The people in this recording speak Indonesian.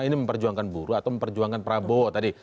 ini memperjuangkan buruh atau memperjuangkan prabowo tadi